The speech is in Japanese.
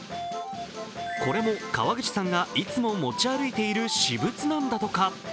これも川口さんがいつも持ち歩いている私物なんだとか。